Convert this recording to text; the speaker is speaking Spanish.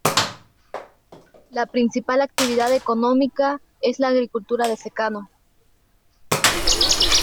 La principal actividad económica es la agricultura de secano.